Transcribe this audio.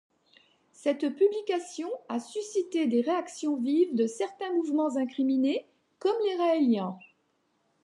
Cette publication a suscité des réactions vives de certains mouvements incriminés, comme les Raëliens.